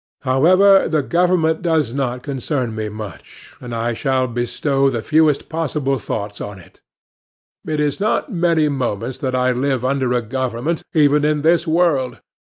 However, the government does not concern me much, and I shall bestow the fewest possible thoughts on it. It is not many moments that I live under a government, even in this world.